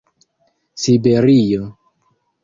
siberio